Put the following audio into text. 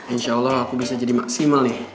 insya allah aku bisa jadi maksimal nih